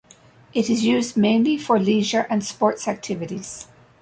It is used mainly for leisure and sports activities.